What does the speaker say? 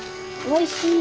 おいしい？